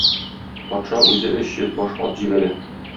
Патша үзе өч йөз баш ат җибәрә.